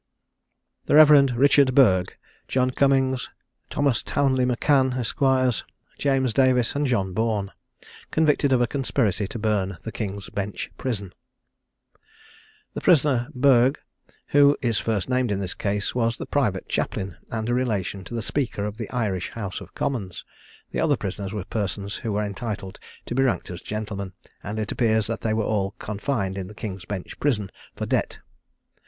THE REV. RICHARD BURGH, JOHN CUMMINGS, THOMAS TOWNLEY M'CAN, ESQRS., JAMES DAVIS, AND JOHN BOURNE. CONVICTED OF A CONSPIRACY TO BURN THE KING'S BENCH PRISON. The prisoner Burgh, who is first named in this case, was the private chaplain, and a relation to the speaker of the Irish House of Commons; the other prisoners were persons who were entitled to be ranked as gentlemen, and it appears that they were all confined in the King's Bench Prison for debt.